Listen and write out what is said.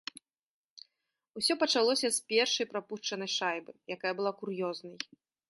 Усё пачалося з першай прапушчанай шайбы, якая была кур'ёзнай.